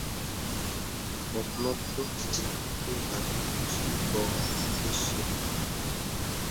একমাত্র আল্লাহকে রাজী-খুশী করার উদ্দেশ্যে।